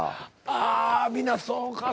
ああ皆そうか。